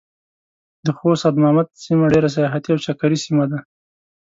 د خوست ادمامد سيمه ډېره سياحتي او چکري سيمه ده.